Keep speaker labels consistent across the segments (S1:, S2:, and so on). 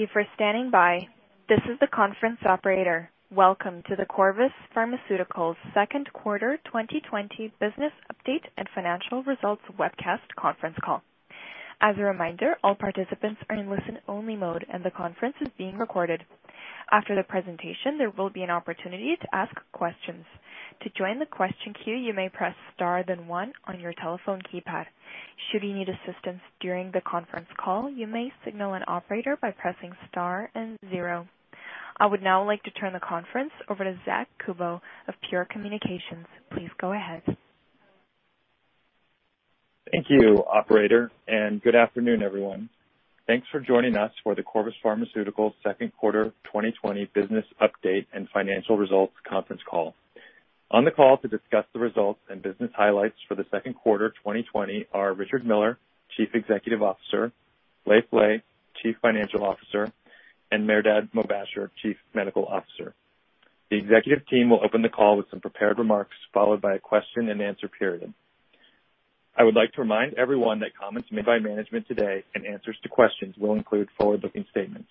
S1: Thank you for standing by. This is the conference operator. Welcome to the Corvus Pharmaceuticals second quarter 2020 business update and financial results webcast conference call. As a reminder, all participants are in listen-only mode, and the conference is being recorded. After the presentation, there will be an opportunity to ask questions. To join the question queue, you may press star then one on your telephone keypad. Should you need assistance during the conference call, you may signal an operator by pressing star and zero. I would now like to turn the conference over to Zack Kubow of Pure Communications. Please go ahead.
S2: Thank you, operator. Good afternoon, everyone. Thanks for joining us for the Corvus Pharmaceuticals second quarter 2020 business update and financial results conference call. On the call to discuss the results and business highlights for the second quarter 2020 are Richard Miller, Chief Executive Officer, Leiv Lea, Chief Financial Officer, and Mehrdad Mobasher, Chief Medical Officer. The executive team will open the call with some prepared remarks, followed by a question-and-answer period. I would like to remind everyone that comments made by management today and answers to questions will include forward-looking statements.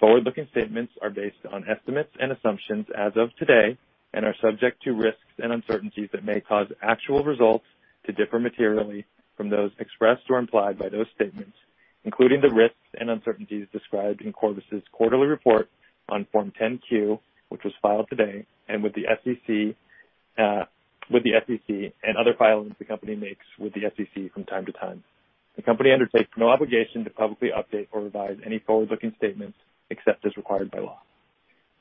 S2: Forward-looking statements are based on estimates and assumptions as of today and are subject to risks and uncertainties that may cause actual results to differ materially from those expressed or implied by those statements, including the risks and uncertainties described in Corvus's quarterly report on Form 10-Q, which was filed today, and with the SEC, with the SEC and other filings the company makes with the SEC from time to time. The company undertakes no obligation to publicly update or revise any forward-looking statements except as required by law.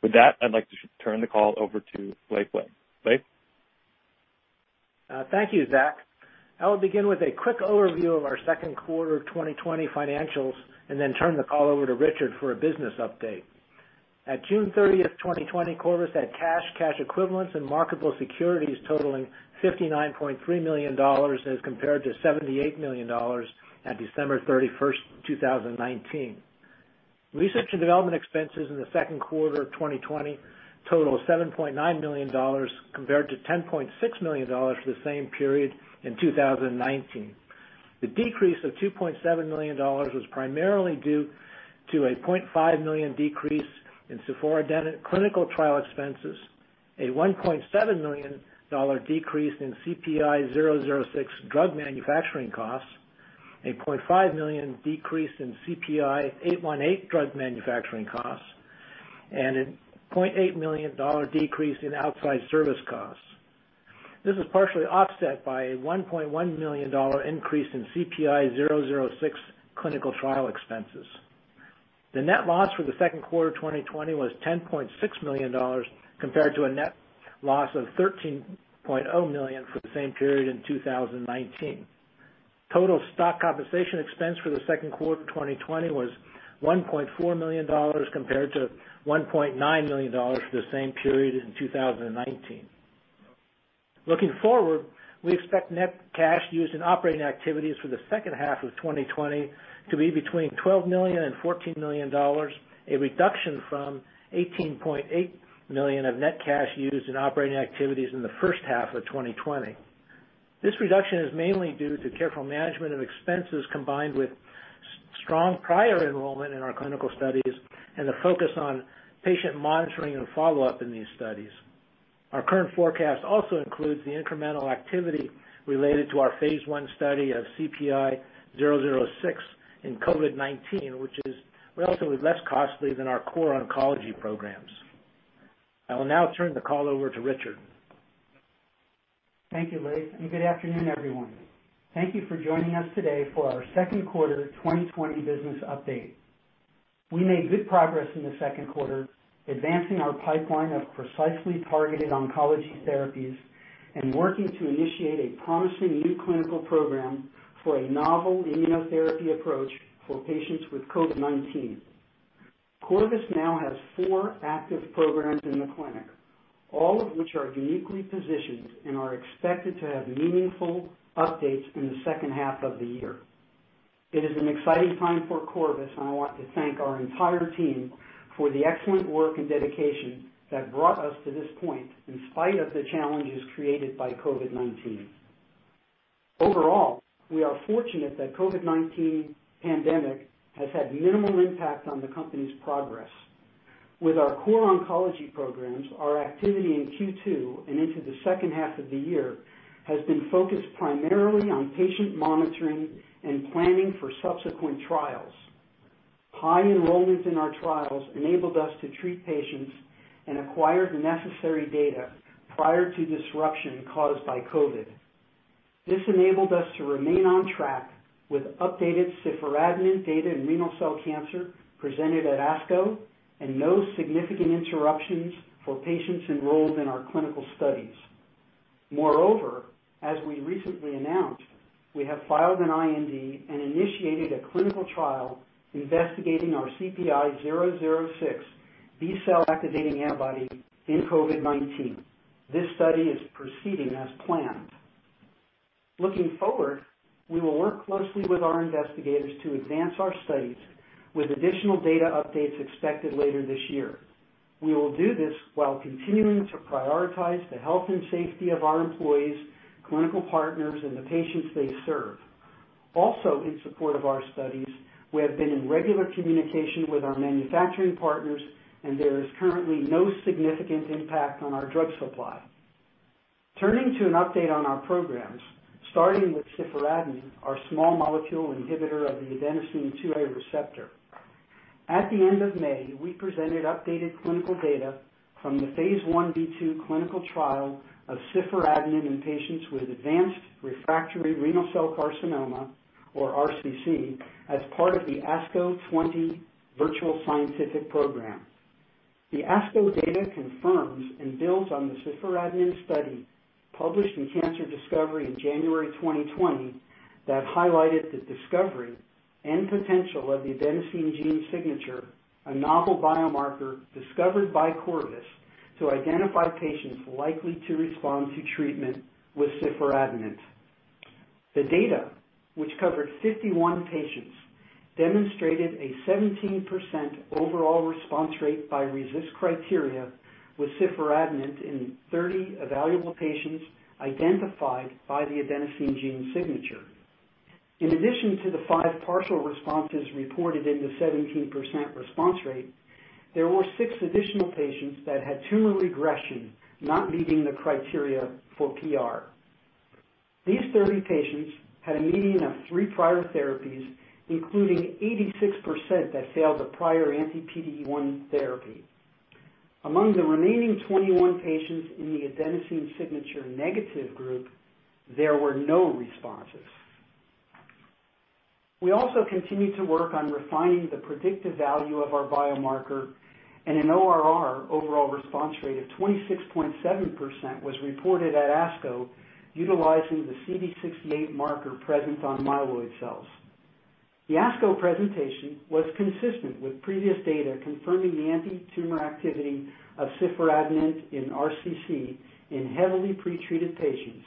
S2: With that, I'd like to turn the call over to Leiv Lea. Leiv?
S3: Thank you, Zack. I will begin with a quick overview of our second quarter 2020 financials and then turn the call over to Richard for a business update. At June 30th, 2020, Corvus had cash equivalents, and marketable securities totaling $59.3 million as compared to $78 million at December 31st, 2019. Research and Development expenses in the second quarter of 2020 total $7.9 million, compared to $10.6 million for the same period in 2019. The decrease of $2.7 million was primarily due to a $0.5 million decrease in ciforadenant clinical trial expenses, a $1.7 million decrease in CPI-006 drug manufacturing costs, a $0.5 million decrease in CPI-818 drug manufacturing costs, and a $0.8 million decrease in outside service costs. This was partially offset by a $1.1 million increase in CPI-006 clinical trial expenses. The net loss for the second quarter 2020 was $10.6 million, compared to a net loss of $13.0 million for the same period in 2019. Total stock compensation expense for the second quarter 2020 was $1.4 million compared to $1.9 million for the same period in 2019. Looking forward, we expect net cash used in operating activities for the second half of 2020 to be between $12 million and $14 million, a reduction from $18.8 million of net cash used in operating activities in the first half of 2020. This reduction is mainly due to careful management of expenses, combined with strong prior enrollment in our clinical studies and a focus on patient monitoring and follow-up in these studies. Our current forecast also includes the incremental activity related to our phase I study of CPI-006 in COVID-19, which is relatively less costly than our core oncology programs. I will now turn the call over to Richard.
S4: Thank you, Leiv, and good afternoon, everyone. Thank you for joining us today for our second quarter 2020 business update. We made good progress in the second quarter, advancing our pipeline of precisely targeted oncology therapies and working to initiate a promising new clinical program for a novel immunotherapy approach for patients with COVID-19. Corvus now has four active programs in the clinic, all of which are uniquely positioned and are expected to have meaningful updates in the second half of the year. It is an exciting time for Corvus, and I want to thank our entire team for the excellent work and dedication that brought us to this point in spite of the challenges created by COVID-19. Overall, we are fortunate that COVID-19 pandemic has had minimal impact on the company's progress. With our core oncology programs, our activity in Q2 and into the second half of the year has been focused primarily on patient monitoring and planning for subsequent trials. High enrollments in our trials enabled us to treat patients and acquire the necessary data prior to disruption caused by COVID-19. This enabled us to remain on track with updated ciforadenant data in renal cell cancer presented at ASCO and no significant interruptions for patients enrolled in our clinical studies. Moreover, as we recently announced, we have filed an IND and initiated a clinical trial investigating our CPI-006 B cell activating antibody in COVID-19. This study is proceeding as planned. Looking forward, we will work closely with our investigators to advance our studies with additional data updates expected later this year. We will do this while continuing to prioritize the health and safety of our employees, clinical partners, and the patients they serve. Also, in support of our studies, we have been in regular communication with our manufacturing partners, and there is currently no significant impact on our drug supply. Turning to an update on our programs, starting with ciforadenant, our small molecule inhibitor of the adenosine A2A receptor. At the end of May, we presented updated clinical data from the phase I-B/II clinical trial of ciforadenant in patients with advanced refractory renal cell carcinoma, or RCC, as part of the ASCO 2020 virtual scientific program. The ASCO data confirms and builds on the ciforadenant study published in Cancer Discovery in January 2020 that highlighted the discovery and potential of the Adenosine Gene Signature, a novel biomarker discovered by Corvus to identify patients likely to respond to treatment with ciforadenant. The data, which covered 51 patients, demonstrated a 17% overall response rate by RECIST criteria with ciforadenant in 30 evaluable patients identified by the Adenosine Gene Signature. In addition to the five partial responses reported in the 17% response rate, there were six additional patients that had tumor regression, not meeting the criteria for PR. These 30 patients had a median of three prior therapies, including 86% that failed the prior anti-PD-1 therapy. Among the remaining 21 patients in the Adenosine Signature negative group, there were no responses. We also continue to work on refining the predictive value of our biomarker. An ORR, overall response rate, of 26.7% was reported at ASCO utilizing the CD68 marker present on myeloid cells. The ASCO presentation was consistent with previous data confirming the anti-tumor activity of ciforadenant in RCC in heavily pretreated patients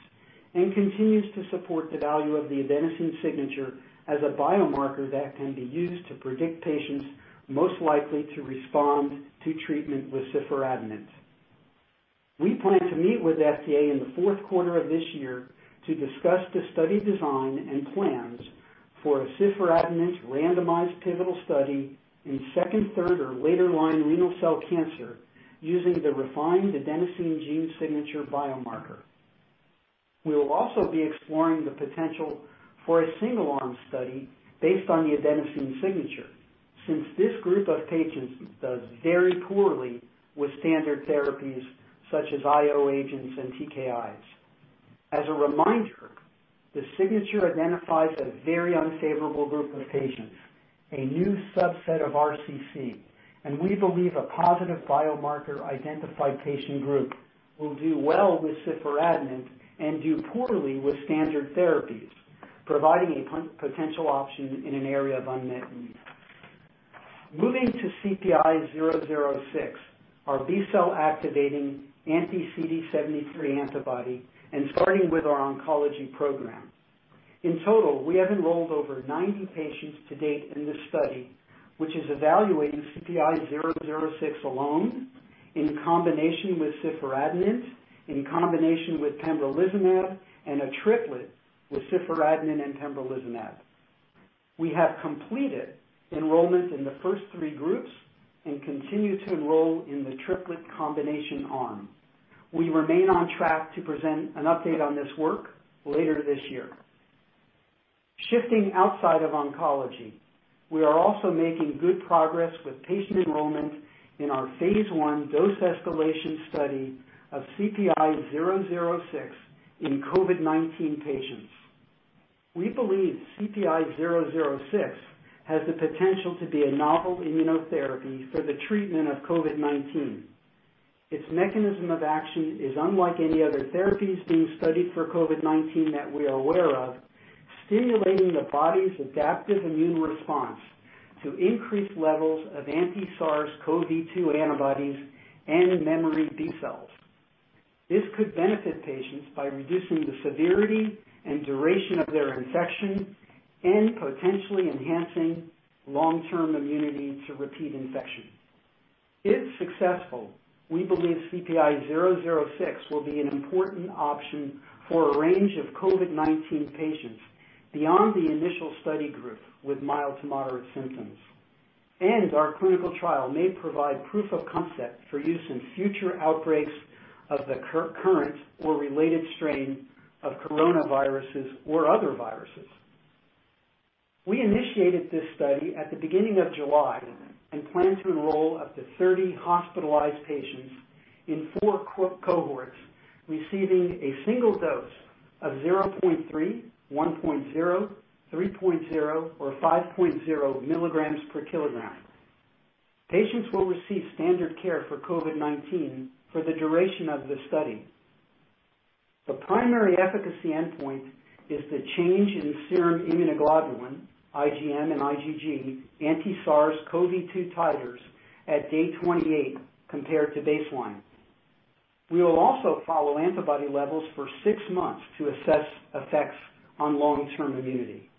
S4: and continues to support the value of the Adenosine Gene Signature as a biomarker that can be used to predict patients most likely to respond to treatment with ciforadenant. We plan to meet with FDA in the fourth quarter of this year to discuss the study design and plans for a ciforadenant randomized pivotal study in second, third, or later line renal cell cancer using the refined Adenosine Gene Signature biomarker. We will also be exploring the potential for a single arm study based on the Adenosine Gene Signature, since this group of patients does very poorly with standard therapies such as IO agents and TKIs. As a reminder, the signature identifies a very unfavorable group of patients, a new subset of RCC, and we believe a positive biomarker-identified patient group will do well with ciforadenant and do poorly with standard therapies, providing a potential option in an area of unmet need. Moving to CPI-006, our B cell activating anti-CD73 antibody, starting with our oncology program. In total, we have enrolled over 90 patients to date in this study, which is evaluating CPI-006 alone in combination with ciforadenant, in combination with pembrolizumab, and a triplet with ciforadenant and pembrolizumab. We have completed enrollment in the first three groups and continue to enroll in the triplet combination arm. We remain on track to present an update on this work later this year. Shifting outside of oncology, we are also making good progress with patient enrollment in our phase I dose escalation study of CPI-006 in COVID-19 patients. We believe CPI-006 has the potential to be a novel immunotherapy for the treatment of COVID-19. Its mechanism of action is unlike any other therapies being studied for COVID-19 that we are aware of, stimulating the body's adaptive immune response to increase levels of anti-SARS-CoV-2 antibodies and memory B cells. This could benefit patients by reducing the severity and duration of their infection and potentially enhancing long-term immunity to repeat infection. If successful, we believe CPI-006 will be an important option for a range of COVID-19 patients beyond the initial study group with mild to moderate symptoms. Our clinical trial may provide proof of concept for use in future outbreaks of the current or related strain of coronaviruses or other viruses. We initiated this study at the beginning of July and plan to enroll up to 30 hospitalized patients in four cohorts receiving a single dose of 0.3, 1.0, 3.0, or 5.0 mg/kg. Patients will receive standard care for COVID-19 for the duration of the study. The primary efficacy endpoint is the change in serum immunoglobulin, IgM and IgG, anti-SARS-CoV-2 titers at day 28 compared to baseline. We will also follow antibody levels for six months to assess effects on long-term immunity.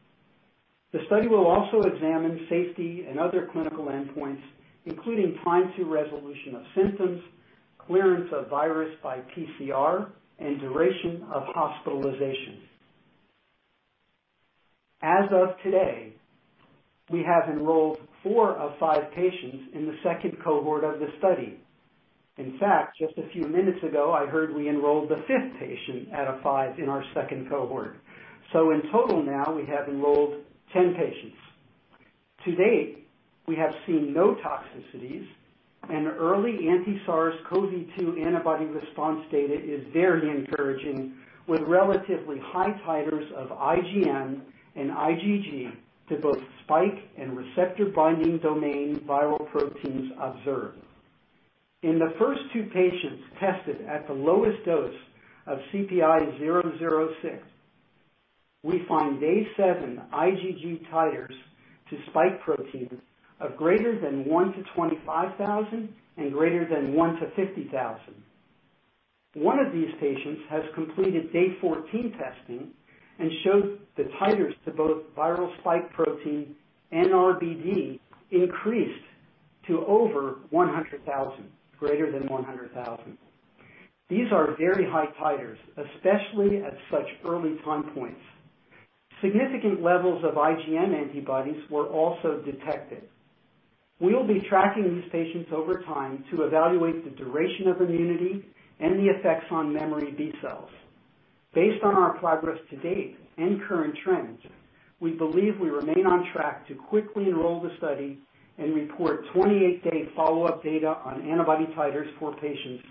S4: The study will also examine safety and other clinical endpoints, including time to resolution of symptoms, clearance of virus by PCR, and duration of hospitalization. As of today, we have enrolled four of five patients in the second cohort of the study. In fact, just a few minutes ago, I heard we enrolled the fifth patient out of five in our second cohort. In total now, we have enrolled 10 patients. To date, we have seen no toxicities, and early anti-SARS-CoV-2 antibody response data is very encouraging with relatively high titers of IgM and IgG to both spike and receptor binding domain viral proteins observed. In the first two patients tested at the lowest dose of CPI-006, we find day seven IgG titers to spike proteins of greater than one to 25,000 and greater than one to 50,000. One of these patients has completed day 14 testing and showed the titers to both viral spike protein and RBD increased to over 100,000, greater than 100,000. These are very high titers, especially at such early time points. Significant levels of IgM antibodies were also detected. We will be tracking these patients over time to evaluate the duration of immunity and the effects on memory B cells. Based on our progress to date and current trends, we believe we remain on track to quickly enroll the study and report 28-day follow-up data on antibody titers for patients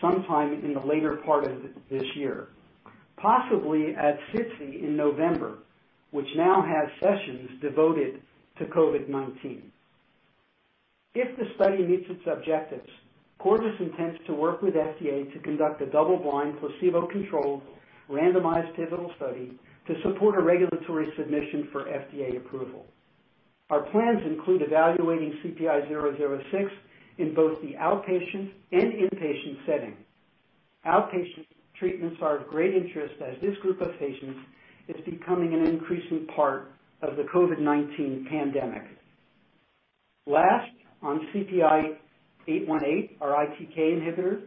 S4: sometime in the later part of this year, possibly at SITC in November, which now has sessions devoted to COVID-19. If the study meets its objectives, Corvus intends to work with FDA to conduct a double-blind, placebo-controlled, randomized pivotal study to support a regulatory submission for FDA approval. Our plans include evaluating CPI-006 in both the outpatient and inpatient setting. Outpatient treatments are of great interest as this group of patients is becoming an increasing part of the COVID-19 pandemic. Last, on CPI-818, our ITK inhibitor,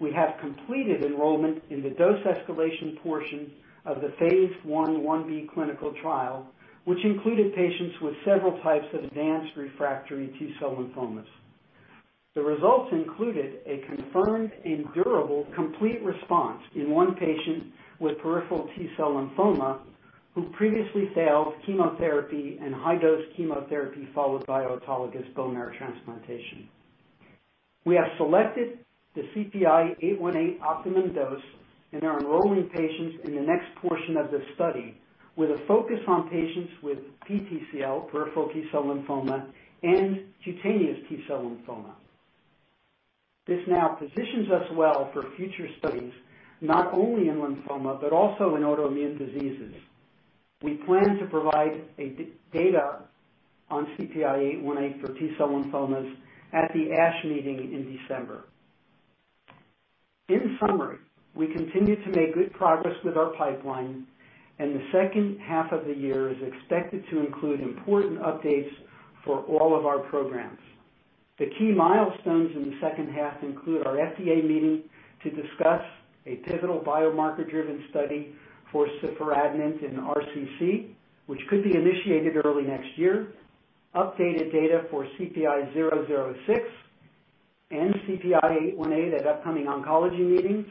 S4: we have completed enrollment in the dose escalation portion of the phase I/IB clinical trial, which included patients with several types of advanced refractory T-cell lymphomas. The results included a confirmed and durable complete response in one patient with peripheral T-cell lymphoma who previously failed chemotherapy and high-dose chemotherapy followed by autologous bone marrow transplantation. We have selected the CPI-818 optimum dose and are enrolling patients in the next portion of the study with a focus on patients with PTCL, peripheral T-cell lymphoma, and cutaneous T-cell lymphoma. This now positions us well for future studies, not only in lymphoma but also in autoimmune diseases. We plan to provide data on CPI-818 for T-cell lymphomas at the ASH meeting in December. In summary, we continue to make good progress with our pipeline, and the second half of the year is expected to include important updates for all of our programs. The key milestones in the second half include our FDA meeting to discuss a pivotal biomarker-driven study for ciforadenant in RCC, which could be initiated early next year, updated data for CPI-006 and CPI-818 at upcoming oncology meetings,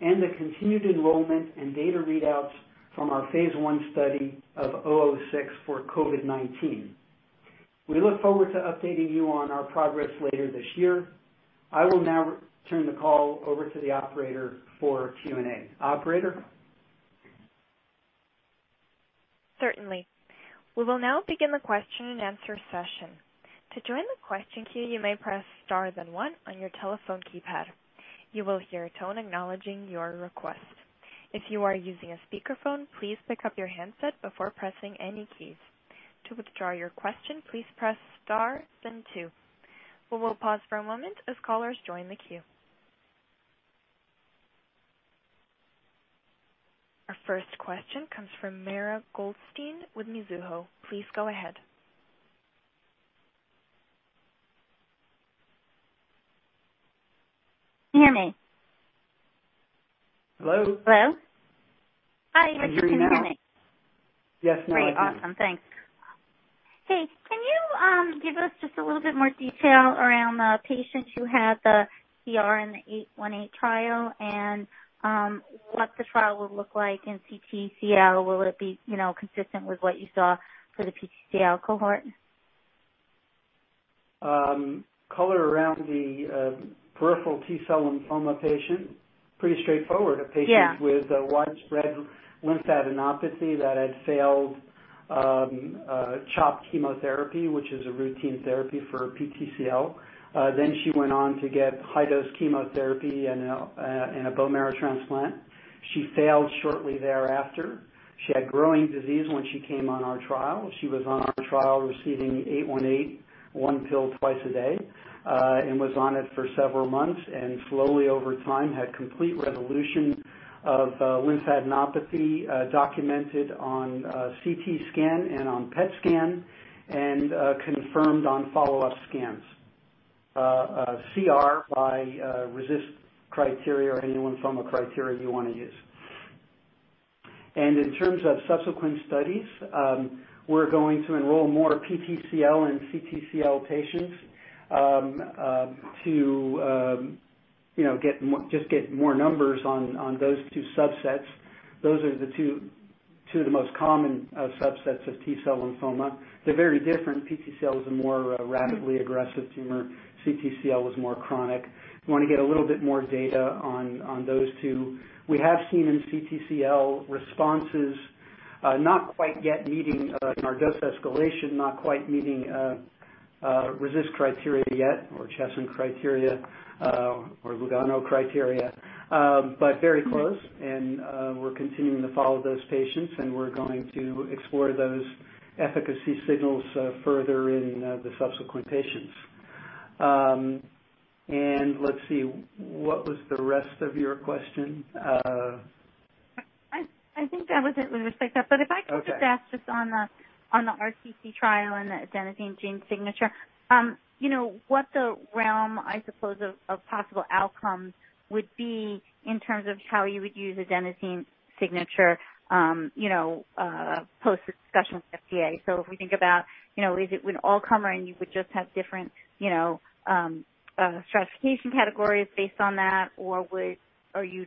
S4: and the continued enrollment and data readouts from our phase I study of CPI-006 for COVID-19. We look forward to updating you on our progress later this year. I will now turn the call over to the operator for Q&A. Operator?
S1: Certainly. We will now begin the question-and-answer session. To join the question queue, you may press star then one on your telephone keypad. You will hear a tone acknowledging your request. If you are using a speakerphone, please pick up your handset before pressing any keys. To withdraw your question, please press star then two. We will pause for a moment as callers join the queue. Our first question comes from Mara Goldstein with Mizuho. Please go ahead.
S5: Can you hear me?
S4: Hello?
S5: Hello? Hi, Richard. Can you hear me?
S4: Yes. Now I can.
S5: Great. Awesome. Thanks. Hey, can you give us just a little bit more detail around the patient who had the PR in the CPI-818 trial and what the trial will look like in PTCL? Will it be consistent with what you saw for the PTCL cohort?
S4: Color around the peripheral T-cell lymphoma patient, pretty straightforward.
S5: Yeah.
S4: A patient with a widespread lymphadenopathy that had failed CHOP chemotherapy, which is a routine therapy for PTCL. She went on to get high-dose chemotherapy and a bone marrow transplant. She failed shortly thereafter. She had growing disease when she came on our trial. She was on our trial receiving CPI-818, one pill twice a day, and was on it for several months and slowly over time had complete resolution of lymphadenopathy documented on CT scan and on PET scan and confirmed on follow-up scans. CR by RECIST criteria or any lymphoma criteria you want to use. In terms of subsequent studies, we're going to enroll more PTCL and CTCL patients to just get more numbers on those two subsets. Those are two of the most common subsets of T-cell lymphoma. They're very different. PTCL is a more rapidly aggressive tumor. CTCL is more chronic. We want to get a little bit more data on those two. We have seen in CTCL responses, in our dose escalation, not quite meeting RECIST criteria yet, or Cheson criteria, or Lugano criteria, but very close. We're continuing to follow those patients, and we're going to explore those efficacy signals further in the subsequent patients. Let's see, what was the rest of your question?
S5: I think that was it with respect to that.
S4: Okay.
S5: If I could just ask just on the RCC trial and the Adenosine Gene Signature, what the realm, I suppose, of possible outcomes would be in terms of how you would use Adenosine Signature post-discussion with FDA? If we think about, is it an all-comer and you would just have different stratification categories based on that? Are you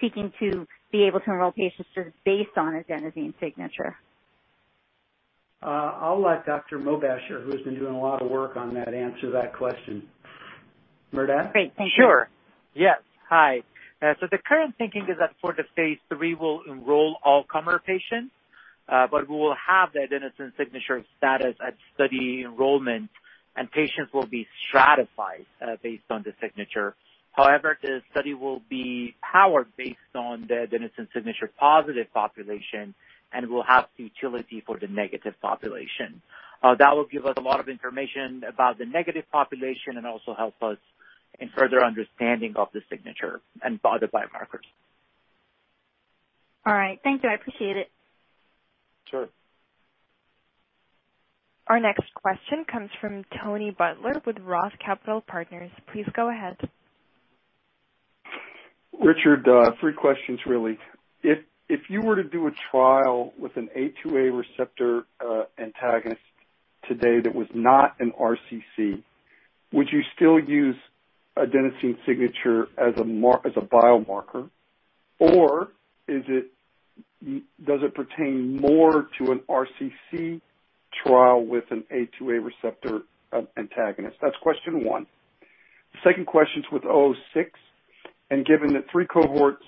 S5: seeking to be able to enroll patients just based on Adenosine Signature?
S4: I'll let Dr. Mobasher, who's been doing a lot of work on that, answer that question. Mehrdad?
S5: Great. Thank you.
S6: The current thinking is that for the phase III, we'll enroll all-comer patients. We will have the Adenosine Gene Signature status at study enrollment, and patients will be stratified based on the signature. However, the study will be powered based on the Adenosine Gene Signature-positive population and will have utility for the negative population. That will give us a lot of information about the negative population and also help us in further understanding of the Adenosine Gene Signature and other biomarkers.
S5: All right. Thank you. I appreciate it.
S6: Sure.
S1: Our next question comes from Tony Butler with ROTH Capital Partners. Please go ahead.
S7: Richard, three questions, really. If you were to do a trial with an A2A receptor antagonist today that was not an RCC, would you still use Adenosine Signature as a biomarker? Does it pertain more to an RCC trial with an A2A receptor antagonist? That's question one. The second questions with CPI-006, and given that three cohorts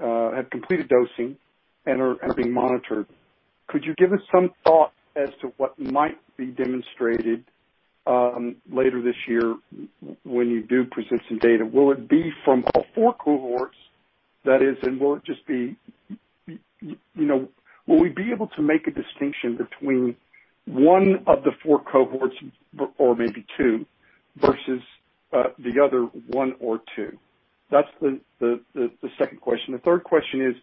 S7: have completed dosing and are being monitored, could you give us some thought as to what might be demonstrated later this year when you do present some data? Will it be from all four cohorts? That is, will we be able to make a distinction between one of the four cohorts, or maybe two, versus the other one or two? That's the second question. The third question is,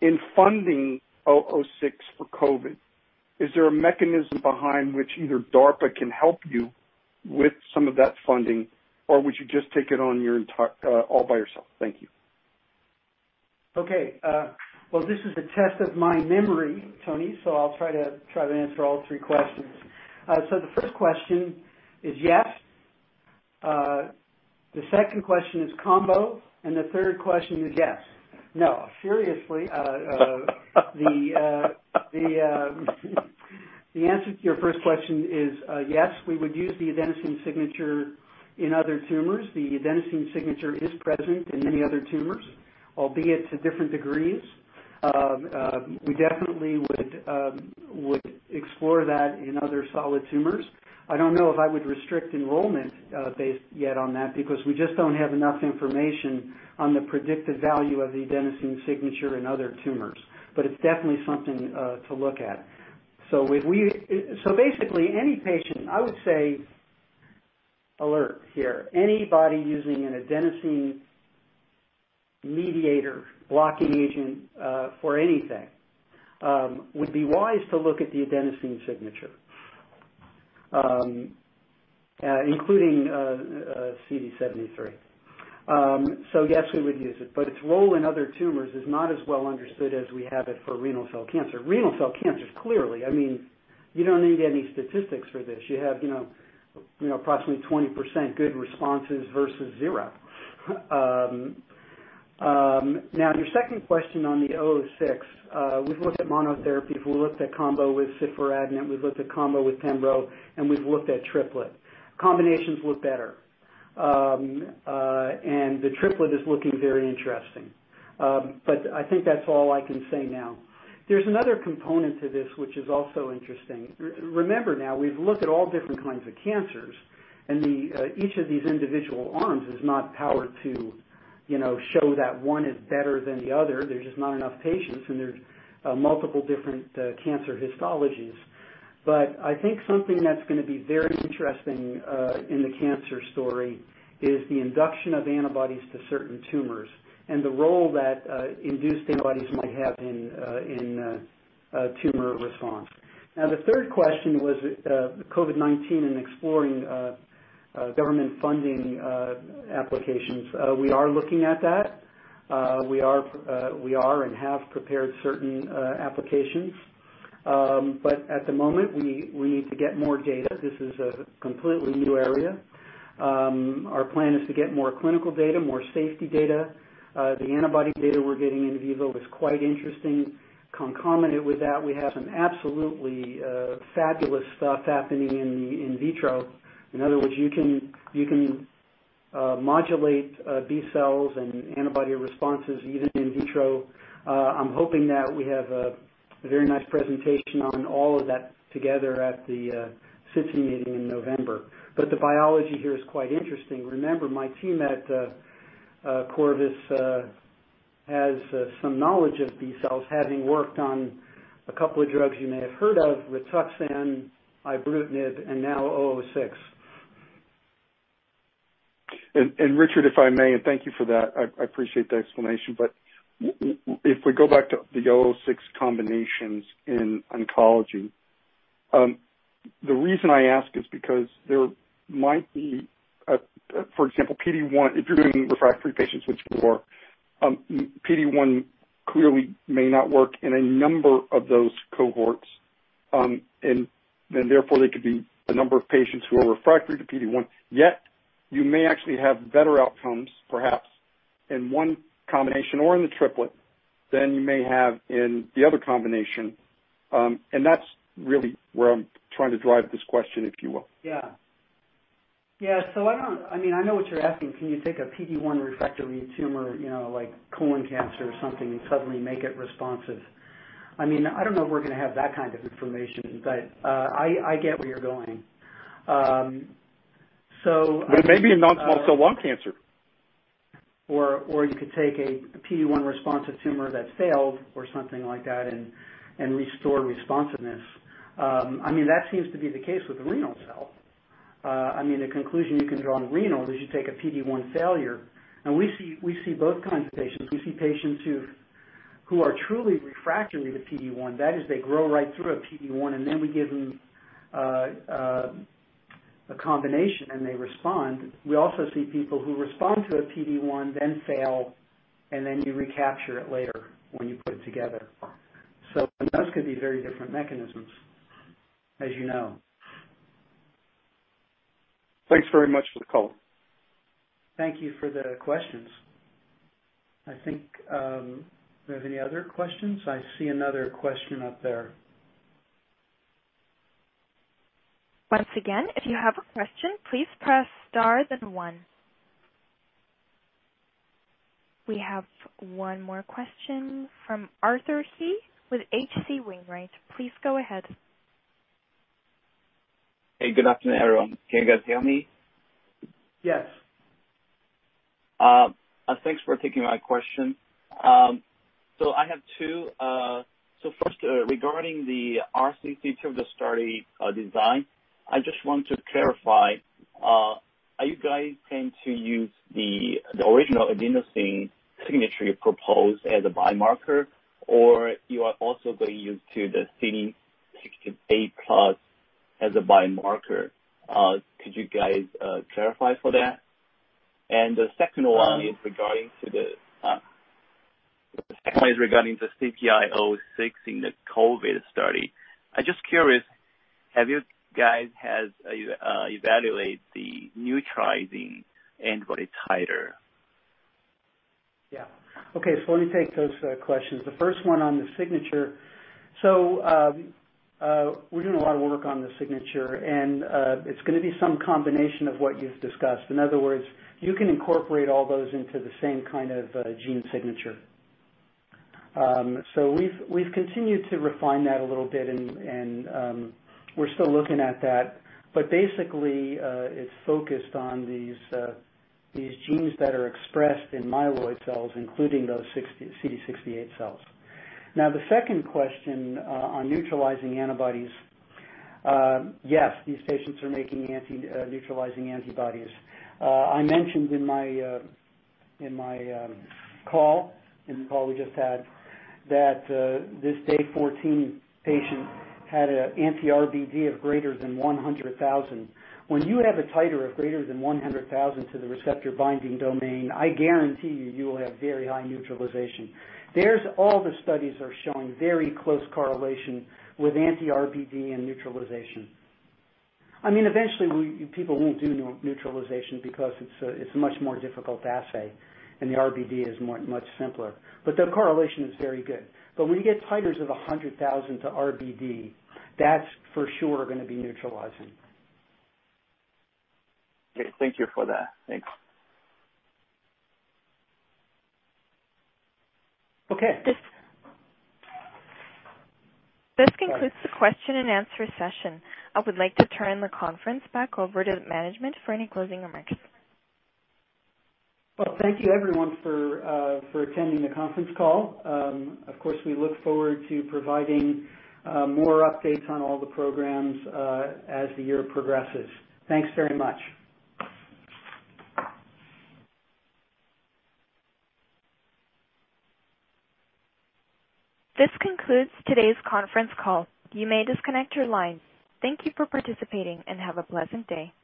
S7: in funding CPI-006 for COVID, is there a mechanism behind which either DARPA can help you with some of that funding, or would you just take it on all by yourself? Thank you.
S4: Okay. Well, this is a test of my memory, Tony, I'll try to answer all three questions. The first question is yes. The second question is combo, and the third question is yes. No. Seriously. The answer to your first question is yes, we would use the Adenosine Signature in other tumors. The Adenosine Signature is present in many other tumors, albeit to different degrees. We definitely would explore that in other solid tumors. I don't know if I would restrict enrollment based yet on that, because we just don't have enough information on the predictive value of the Adenosine Signature in other tumors. It's definitely something to look at. Basically, any patient, I would say, alert here. Anybody using an adenosine mediator blocking agent for anything would be wise to look at the Adenosine Signature, including CD73. Yes, we would use it, but its role in other tumors is not as well understood as we have it for renal cell cancer. Renal cell cancers, clearly, you don't need any statistics for this. You have approximately 20% good responses versus zero. Your second question on the CPI-006. We've looked at monotherapy. We've looked at combo with ciforadenant. We've looked at combo with pembrolizumab, and we've looked at triplet. Combinations look better. The triplet is looking very interesting. I think that's all I can say now. There's another component to this, which is also interesting. Remember now, we've looked at all different kinds of cancers, and each of these individual arms is not powered to show that one is better than the other. There's just not enough patients, and there's multiple different cancer histologies. I think something that's going to be very interesting in the cancer story is the induction of antibodies to certain tumors and the role that induced antibodies might have in tumor response. The third question was COVID-19 and exploring government funding applications. We are looking at that. We are and have prepared certain applications. At the moment, we need to get more data. This is a completely new area. Our plan is to get more clinical data, more safety data. The antibody data we're getting in vivo is quite interesting. Concomitant with that, we have some absolutely fabulous stuff happening in vitro. In other words, you can modulate B cells and antibody responses even in vitro. I'm hoping that we have a very nice presentation on all of that together at the SITC meeting in November. The biology here is quite interesting. Remember, my team at Corvus has some knowledge of B cells, having worked on a couple of drugs you may have heard of, Rituxan, ibrutinib, and now CPI-006.
S7: Richard, if I may, thank you for that. I appreciate the explanation. If we go back to the CPI-006 combinations in oncology, the reason I ask is because there might be, for example, PD-1, if you're doing refractory patients, which you are, PD-1 clearly may not work in a number of those cohorts. Therefore, there could be a number of patients who are refractory to PD-1, yet you may actually have better outcomes, perhaps, in one combination or in the triplet, than you may have in the other combination. That's really where I'm trying to drive this question, if you will.
S4: Yeah. I know what you're asking. Can you take a PD-1 refractory tumor, like colon cancer or something, and suddenly make it responsive? I don't know if we're going to have that kind of information, but I get where you're going.
S7: Well, it may be a non-small cell lung cancer.
S4: You could take a PD-1 responsive tumor that's failed, or something like that, and restore responsiveness. That seems to be the case with the renal cell. The conclusion you can draw on renal is you take a PD-1 failure, and we see both kinds of patients. We see patients who are truly refractory to PD-1. That is, they grow right through a PD-1, and then we give them a combination, and they respond. We also see people who respond to a PD-1, then fail, and then you recapture it later when you put it together. Those could be very different mechanisms, as you know.
S7: Thanks very much for the call.
S4: Thank you for the questions. I think, are there any other questions? I see another question up there.
S1: Once again, if you have a question, please press star then one. We have one more question from Arthur He with H.C. Wainwright. Please go ahead.
S8: Hey, good afternoon, everyone. Can you guys hear me?
S4: Yes.
S8: Thanks for taking my question. I have two. First, regarding the RCC design, I just want to clarify, are you guys going to use the original Adenosine Signature you proposed as a biomarker, or you are also going to use the CD68+ as a biomarker? Could you guys clarify for that? The second one is regarding the CPI-006 in the COVID study. I'm just curious, have you guys evaluated the neutralizing antibody titer?
S4: Yeah. Okay, let me take those questions. The first one on the signature. We're doing a lot of work on the signature, and it's going to be some combination of what you've discussed. In other words, you can incorporate all those into the same kind of gene signature. We've continued to refine that a little bit, and we're still looking at that. Basically, it's focused on these genes that are expressed in myeloid cells, including those CD68 cells. The second question on neutralizing antibodies. Yes, these patients are making neutralizing antibodies. I mentioned in my call we just had that this day 14 patient had an anti-RBD of greater than 100,000. When you have a titer of greater than 100,000 to the receptor binding domain, I guarantee you will have very high neutralization. There's all the studies are showing very close correlation with anti-RBD and neutralization. Eventually, people won't do neutralization because it's a much more difficult assay, and the RBD is much simpler. The correlation is very good, but when you get titers of 100,000 to RBD, that's for sure going to be neutralizing.
S8: Okay. Thank you for that. Thanks.
S4: Okay.
S1: This concludes the question-and-answer session. I would like to turn the conference back over to management for any closing remarks.
S4: Well, thank you everyone for attending the conference call. Of course, we look forward to providing more updates on all the programs as the year progresses. Thanks very much.
S1: This concludes today's conference call. You may disconnect your lines. Thank you for participating and have a pleasant day.